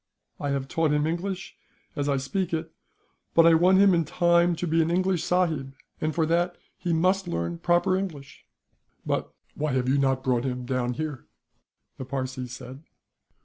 I have taught him English, as I speak it; but I want him, in time, to be an English sahib, and for that he must learn proper English." "But why have you not brought him down here?" the Parsee said.